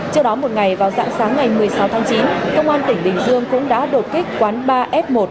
trước đó một ngày vào dạng sáng ngày một mươi sáu tháng chín công an tỉnh bình dương cũng đã đột kích quán ba f một